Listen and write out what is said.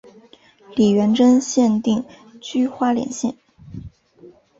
李元贞现定居花莲县。